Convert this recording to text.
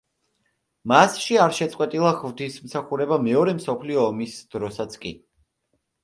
მასში არ შეწყვეტილა ღვთისმსახურება მეორე მსოფლიო ომის დროსაც კი.